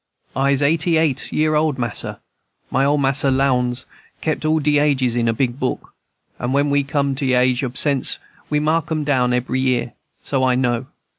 "Ise eighty eight year old, mas'r. My ole Mas'r Lowndes keep all de ages in a big book, and when we come to age ob sense we mark em down ebry year, so I know.